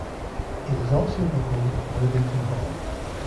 It is also the home of Worthington Hall.